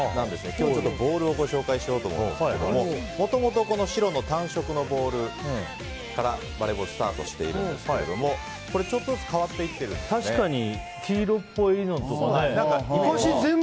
今日、ボールをご紹介しようと思うんですがもともと白の単色のボールからバレーボールスタートしているんですがちょっとずつ確かに黄色っぽいのとかね。